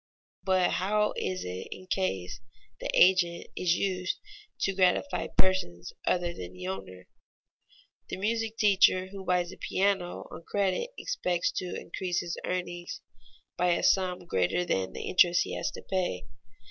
But how is it in case the agent is used to gratify persons other than the owner? The music teacher who buys a piano on credit expects to increase his earnings by a sum greater than the interest he has to pay.